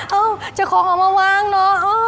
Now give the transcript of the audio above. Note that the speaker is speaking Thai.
เจ้าของเอามาวางเหรอ